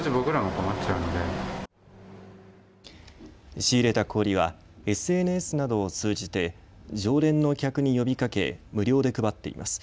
仕入れた氷はＳＮＳなどを通じて常連の客に呼びかけ、無料で配っています。